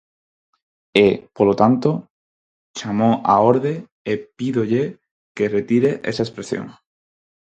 E, polo tanto, chámoo á orde e pídolle que retire esa expresión.